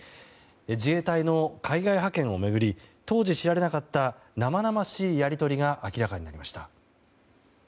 自衛隊の海外派遣を巡り当時知られなかった生々しいやり取りが明らかになりました。